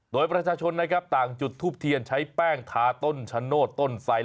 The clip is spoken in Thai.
โดยประชาชนนะครับต่างจุดทูปเทียนใช้แป้งทาต้นชะโนธต้นไส